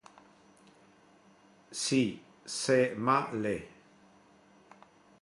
Si, se ma le.